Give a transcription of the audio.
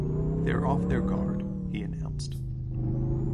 "They're off their guard," he announced.